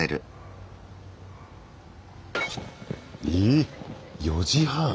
ええっ４時半！